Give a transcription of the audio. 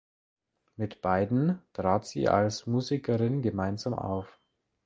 Mit beiden trat sie als Musikerin gemeinsam auf.